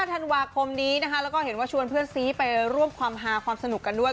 ธันวาคมนี้นะคะแล้วก็เห็นว่าชวนเพื่อนซีไปร่วมความฮาความสนุกกันด้วย